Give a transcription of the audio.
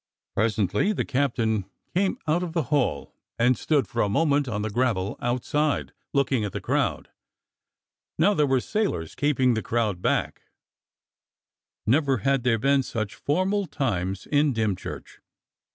Presently the captain himself came out of the hall and stood for a moment on the gravel outside, looking at the crowd. Now there were sailors keeping the crowd back; never had there been such formal times in Dymchurch.